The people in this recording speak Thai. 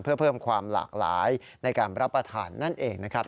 เพื่อเพิ่มความหลากหลายในการรับประทานนั่นเองนะครับ